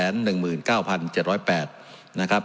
๒๑๙๗๐๘ล้านบาท